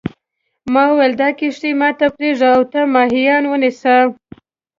ما وویل دا کښتۍ ما ته پرېږده او ته ماهیان ونیسه.